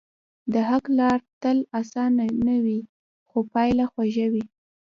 د حق لار تل آسانه نه وي، خو پایله خوږه وي.